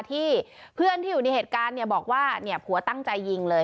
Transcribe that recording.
ที่เพื่อนที่อยู่ในเหตุการณ์บอกว่าผัวตั้งใจยิงเลย